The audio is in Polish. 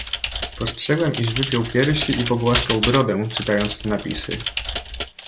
"Spostrzegłem, iż wypiął piersi i pogłaskał brodę, czytając te napisy."